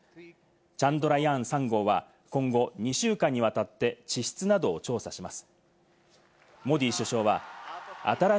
「チャンドラヤーン３号」は今後２週間にわたって地質などを調査します。